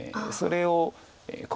それを。